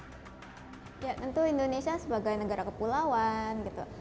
ya untuk indonesia sebagai negara kepulauan